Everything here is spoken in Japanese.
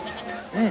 うん。